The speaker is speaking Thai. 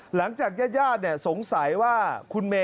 หลังจากญาติสงสัยว่าคุณเมย์เสียชีวิตเพราะฉีดวัคซีนโควิด๑๙หรือเปล่า